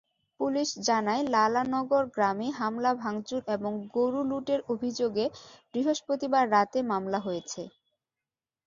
Police জানায়, লালানগর গ্রামে হামলা-ভাঙচুর এবং গরু লুটের অভিযোগে বৃহস্পতিবার রাতে মামলা হয়েছে।